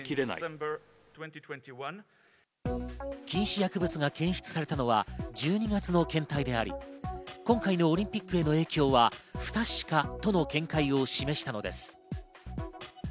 禁止薬物が検出されたのは１２月の検体であり、今回のオリンピックへの影響は不確かとの見解を示したのです。